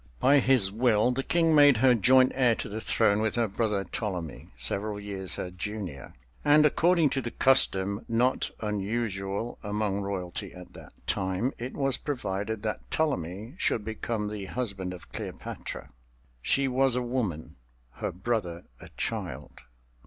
By his will the King made her joint heir to the throne with her brother Ptolemy, several years her junior. And according to the custom not unusual among royalty at that time, it was provided that Ptolemy should become the husband of Cleopatra. She was a woman—her brother a child.